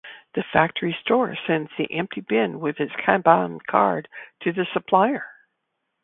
The factory store sends the empty bin with its kanban card to the supplier.